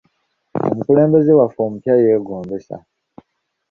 Omukulembeze waffe omupya yeegombesa.